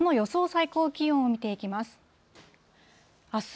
最高気温を見ていきます。